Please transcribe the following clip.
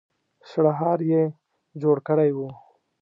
شړهار يې جوړ کړی و.